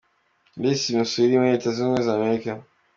Louis, i Missouri, muri reta zunze ubumwe za Amerika.